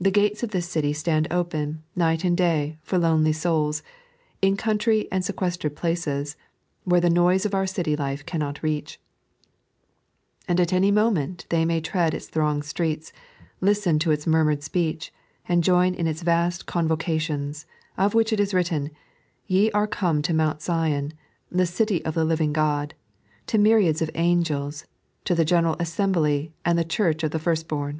The gates of this city stand open, night and day, for lonely souls, in country and sequestered places, where the noise of our city life cannot reach ; and at any moment they may tread its thronged streets, listen to its murmured speech, and join in its vast convocations, of which it is written :" Te are come to Mount Sion, the Oily of the Living God, to myriads of angels, to the general assembly and church of the first bom."